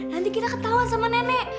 nanti kita ketawa sama nenek